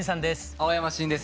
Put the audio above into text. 青山新です。